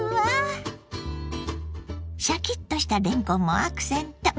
シャキッとしたれんこんもアクセント。